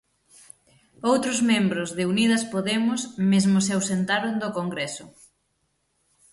Outros membros de Unidas Podemos mesmo se ausentaron do Congreso.